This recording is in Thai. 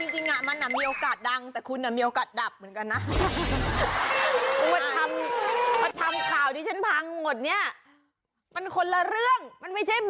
จริงมันมีโอกาสดังแต่คุณมีโอกาสดับเหมือนกันนะ